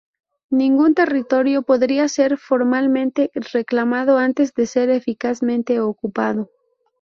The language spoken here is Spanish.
Ningún territorio podría ser formalmente reclamado antes de ser eficazmente ocupado.